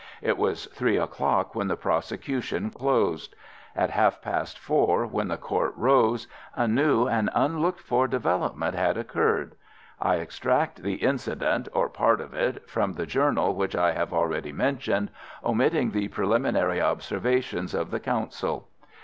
It was three o'clock when the prosecution closed. At half past four, when the Court rose, a new and unlooked for development had occurred. I extract the incident, or part of it, from the journal which I have already mentioned, omitting the preliminary observations of the counsel.